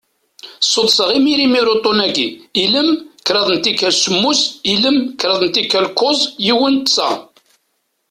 Suddseɣ imir imir uṭṭun-agi: ilem, kraḍ n tikal semmus, ilem, kraḍ n tikal kuẓ, yiwen, tẓa.